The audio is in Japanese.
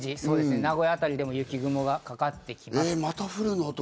名古屋あたりでも雪雲がかかってきます。